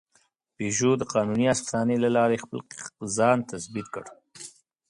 پيژو د قانوني افسانې له لارې خپل ځان تثبیت کړ.